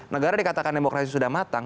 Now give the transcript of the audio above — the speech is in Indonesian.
negara dikatakan demokrasi sudah matang